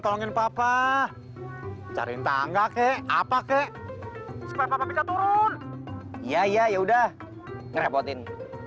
tongin papa cariin tangga kek apa kek supaya bisa turun iya ya udah ngerepotin